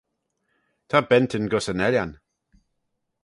Ta bentyn gys yn Ellan.